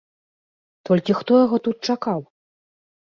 Толькі хто яго тут чакаў?